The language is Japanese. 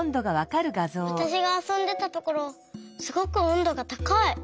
わたしがあそんでたところすごくおんどがたかい！